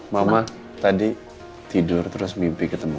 mama tadi tidur terus mimpi ketemu